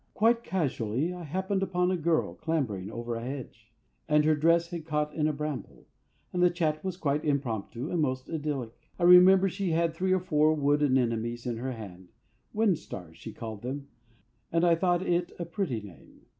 Quite casually I happened upon a girl clambering over a hedge, and her dress had caught in a bramble, and the chat was quite impromptu and most idyllic. I remember she had three or four wood anemones in her hand "wind stars" she called them, and I thought it a pretty name.